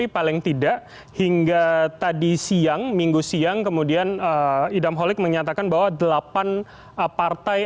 paling tidak hingga tadi siang minggu siang kemudian idam holik menyatakan bahwa delapan partai